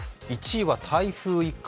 １位は台風一過。